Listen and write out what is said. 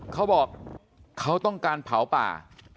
เขาบอกเขาต้องการเผาป่า